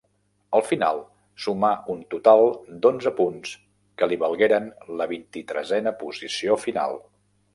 Al final sumà un total d'onze punts que li valgueren la vint-i-tresena posició final.